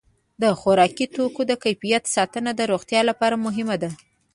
د خوراکي توکو د کیفیت ساتنه د روغتیا لپاره مهمه ده.